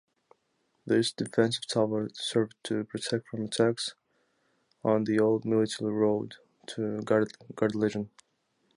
This defensive tower served to protect from attacks on the old military road to Gardelegen.